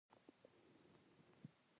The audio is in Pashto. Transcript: د فرانسې پاچاهي د پاڅون سره مخ وه.